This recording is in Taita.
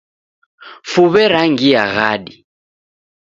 Fuw'e rangia ghadi